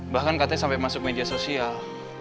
bahkan katanya sampai masuk media sosial